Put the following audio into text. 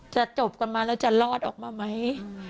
จบกันมาแล้วจะรอดออกมาไหม